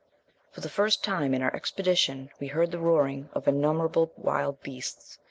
For the first time in our expedition we heard the roaring of innumerable wild beasts.